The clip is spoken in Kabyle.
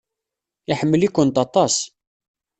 Iḥemmel-ikent aṭas.